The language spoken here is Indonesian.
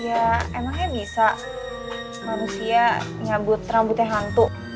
ya emangnya bisa manusia nyabut rambutnya hantu